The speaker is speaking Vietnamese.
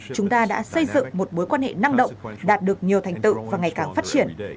chúng ta đã xây dựng một bối quan hệ năng động đạt được nhiều thành tựu và ngày càng phát triển